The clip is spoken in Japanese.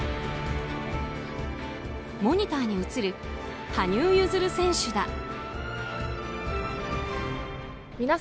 モニターに映る羽生結弦選手だ。